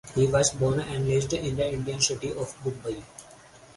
He was born and raised in the Indian city of Mumbai.